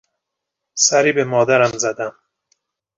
سری به مادرم زدم.